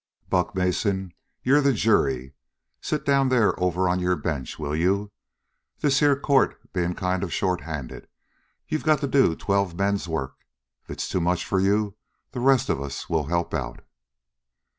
"Buck Mason, you're the jury. Sit down over there on your bench, will you? This here court being kind of shorthanded, you got to do twelve men's work. If it's too much for you, the rest of us will help out."